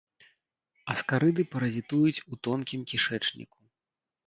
Аскарыды паразітуюць у тонкім кішэчніку.